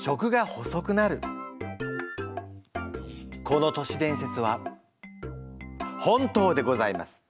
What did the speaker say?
この年伝説は本当でございます！